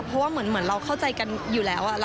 เพราะว่าเหมือนเราเข้าใจกันอยู่แล้ว